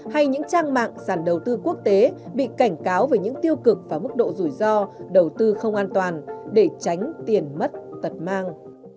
hay những trang mạng sàn đầu tư quốc tế bị cảnh cáo về những tiêu cực và mức độ rủi ro đầu tư không an toàn để tránh tiền mất tật mang